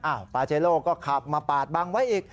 ปาเจโลก็ขับมาปาดบังไว้อีก